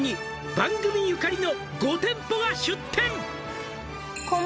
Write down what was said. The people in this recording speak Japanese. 「番組ゆかりの５店舗が出店！」